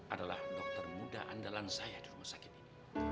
adalah dokter muda andalan saya di rumah sakit ini